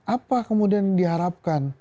apa kemudian diharapkan